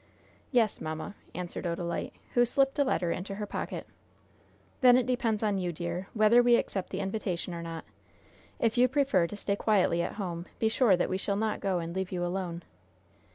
"Yes, mamma," answered Odalite, who slipped a letter into her pocket. "Then it depends on you, dear, whether we accept the invitation or not. If you prefer to stay quietly at home, be sure that we shall not go and leave you alone."